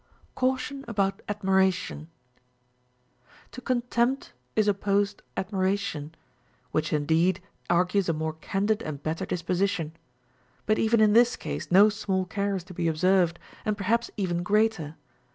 Caution about Admiration. 7. To contempt is opposed admiration, which indeed argues a more candid and better disposition ; but even in this case no small care is to be observed, and perhaps even greater.